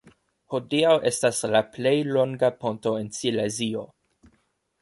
Hodiaŭ estas la plej longa ponto en Silezio.